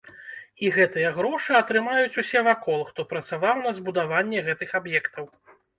І гэтыя грошы атрымаюць усе вакол, хто працаваў на збудаванне гэтых аб'ектаў.